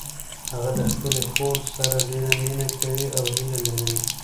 هغه د خپلې خور سره ډیره مینه کوي او هیله لري